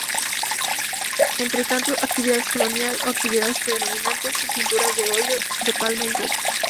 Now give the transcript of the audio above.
Entretanto, actividades colonial a actividades predominante son pinturas de óleo de palma en coco.